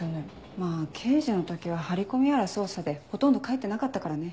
まぁ刑事の時は張り込みやら捜査でほとんど帰ってなかったからね。